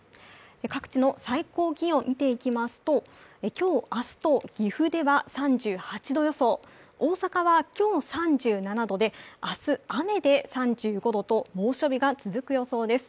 各地の最高気温、見ていきますと今日、明日と岐阜では３８度予想、大阪では今日３７度で明日、雨で３５度で猛暑日が続く予想です。